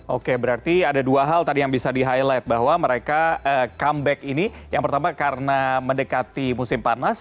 oke berarti ada dua hal tadi yang bisa di highlight bahwa mereka comeback ini yang pertama karena mendekati musim panas